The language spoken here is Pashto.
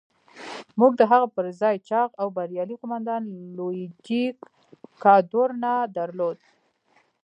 موږ د هغه پر ځای چاغ او بریالی قوماندان لويجي کادورنا درلود.